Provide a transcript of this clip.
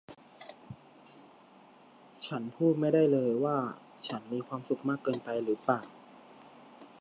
ฉันพูดไม่ได้เลยว่าฉันมีความสุขมากเกินไปหรือเปล่า